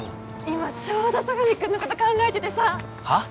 今ちょうど佐神くんのこと考えててさはっ？